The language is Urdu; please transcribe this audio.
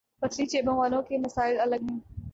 پتلی جیبوں والوں کے مسائل الگ ہیں۔